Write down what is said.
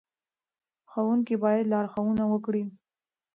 ښوونکي باید لارښوونه وکړي.